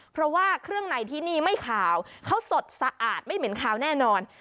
เพราะว่าเครื่องในที่นี่ไม่ขาวเขาสดสะอาดไม่เหม็นขาวแน่นอน